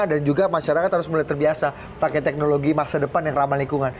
dan juga masyarakat harus melihat terbiasa pakai teknologi masa depan yang ramah lingkungan